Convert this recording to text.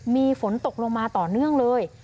มีฝนตกลงมาต่อเนื่องเลย